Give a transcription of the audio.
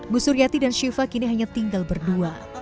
bu suryati dan shiva kini hanya tinggal berdua